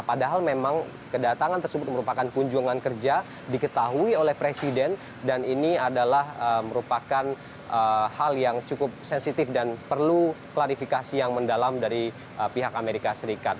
padahal memang kedatangan tersebut merupakan kunjungan kerja diketahui oleh presiden dan ini adalah merupakan hal yang cukup sensitif dan perlu klarifikasi yang mendalam dari pihak amerika serikat